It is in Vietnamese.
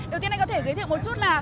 đầu tiên anh có thể giới thiệu một chút là